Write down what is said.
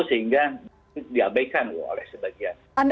sehingga diabaikan oleh sebagian